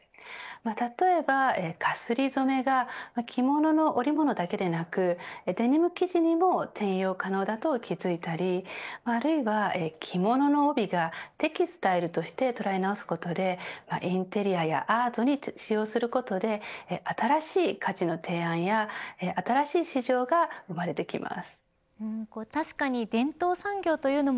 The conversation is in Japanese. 例えば、かすり染めが着物の織物だけでなくデニム生地にも転用可能だと気づいたりあるいは、着物の帯をテキスタイルとして捉え直すことでインテリアやアートに使用することで新しい価値の提案や新しい市場が生まれてきます。